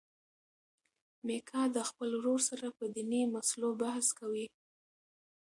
میکا د خپل ورور سره په دیني مسلو بحث کوي.